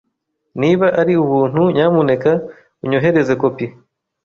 Niba ari ubuntu, nyamuneka unyohereze kopi.